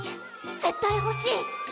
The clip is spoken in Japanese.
絶対ほしい！